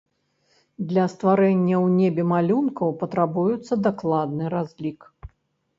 Для стварэння ў небе малюнкаў патрабуецца дакладны разлік.